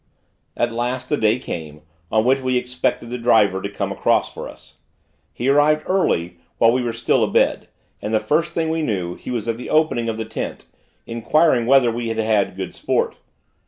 At last, the day came, on which we expected the driver to come across for us. He arrived early, while we were still abed; and, the first thing we knew, he was at the opening of the tent, inquiring whether we had had good sport.